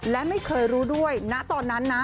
และไม่เคยรู้ด้วยนะตอนนั้นนะ